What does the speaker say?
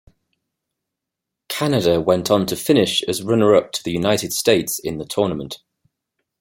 Canada went on to finish as runner-up to the United States in the tournament.